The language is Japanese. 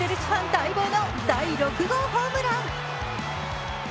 待望の第６号ホームラン。